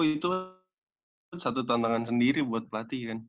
itu satu tantangan sendiri buat pelatih kan